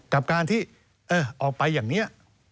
กับการที่ออกไปอย่างนี้